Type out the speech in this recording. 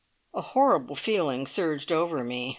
A horrible feeling surged over me.